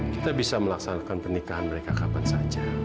kita bisa melaksanakan pernikahan mereka kapan saja